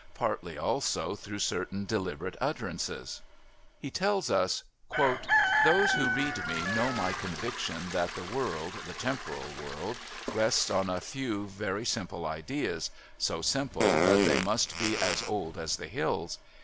Partly also through certain deliberate utterances. He tells us: "Those who read me know my conviction that the world, the temporal world, rests on a few very simple ideas; so simple that they must be as old as the hills.